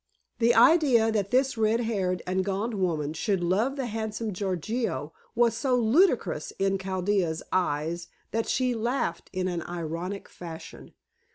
The idea that this red haired and gaunt woman should love the handsome Gorgio was so ludicrous in Chaldea's eyes that she laughed in an ironical fashion.